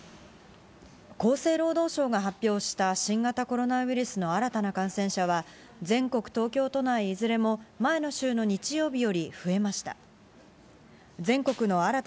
厚生労働省が発表した新型コロナウイルスの新たな感染者は、全国、東京都内いずれも前の週の日曜日より増えました。